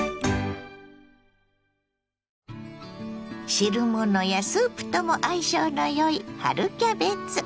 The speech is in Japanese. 汁物やスープとも相性のよい春キャベツ。